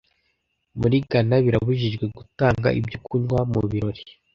Muri ghana birabujijwe gutanga ibyo kunywa mu birori